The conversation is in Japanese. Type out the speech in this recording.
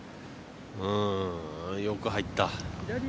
うーん、よく入った。